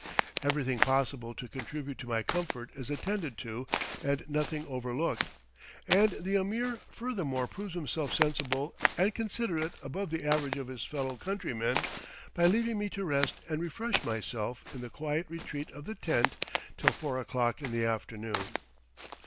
Everything possible to contribute to my comfort is attended to and nothing overlooked; and the Ameer furthermore proves himself sensible and considerate above the average of his fellow countrymen by leaving me to rest and refresh myself in the quiet retreat of the tent till four o'clock in the afternoon.